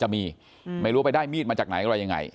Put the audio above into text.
ไม่รู้ไปได้มีดมาจากไหนว่ะยังงี้